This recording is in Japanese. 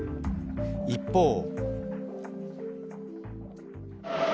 一方。